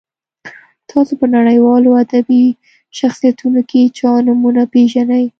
تاسو په نړیوالو ادبي شخصیتونو کې چا نومونه پیژنئ.